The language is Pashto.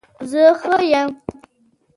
زه ښه يم